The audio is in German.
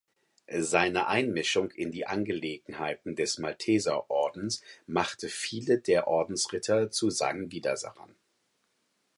Seine Einmischung in die Angelegenheiten des Malteserordens machte viele der Ordensritter zu seinen Widersachern.